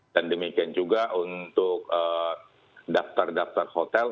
dan demikian juga untuk daftar daftar hotel